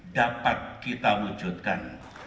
dapat kita wujudkan